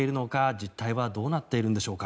実態はどうなっているんでしょうか。